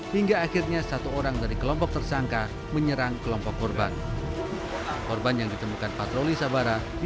tentang penganjayaan gerat